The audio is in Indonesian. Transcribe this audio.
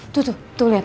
tuh tuh liat